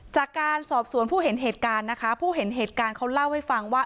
จากการสอบสวนผู้เห็นเหตุการณ์นะคะผู้เห็นเหตุการณ์เขาเล่าให้ฟังว่า